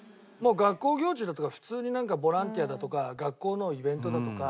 学校行事だとか普通にボランティアだとか学校のイベントだとか